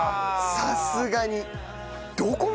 さすがに。